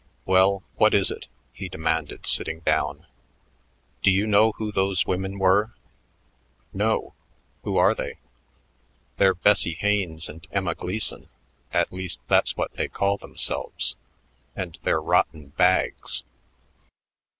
"Well, what is it?" he demanded, sitting down. "Do you know who those women were?" "No. Who are they?" "They're Bessie Haines and Emma Gleeson; at least, that's what they call themselves, and they're rotten bags."